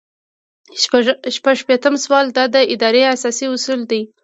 شپږ شپیتم سوال د ادارې اساسي اصول دي.